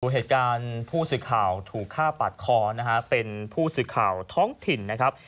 ตัวเหตุการณ์ผู้สึกข่าวถูกฆ่าปัดคอเป็นผู้สึกข่าวท้องถิ่น